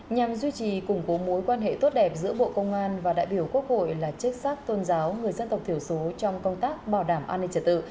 nhằm duy trì củng cố mối quan hệ tốt đẹp giữa bộ công an và đại biểu quốc hội là chức sắc tôn giáo người dân tộc thiểu số trong công tác bảo đảm an ninh trật tự